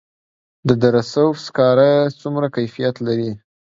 د دره صوف سکاره څومره کیفیت لري؟